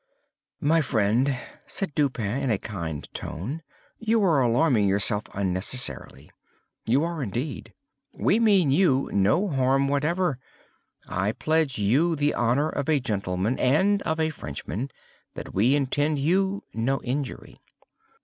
"My friend," said Dupin, in a kind tone, "you are alarming yourself unnecessarily—you are indeed. We mean you no harm whatever. I pledge you the honor of a gentleman, and of a Frenchman, that we intend you no injury.